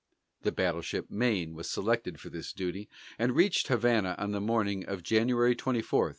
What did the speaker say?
The battleship Maine was selected for this duty, and reached Havana on the morning of January 24, 1898.